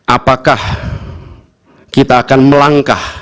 apakah kita akan melangkah